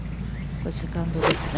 セカンドですね。